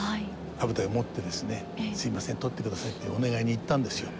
羽二重を持ってですね「すみません取ってください」ってお願いに行ったんですよ。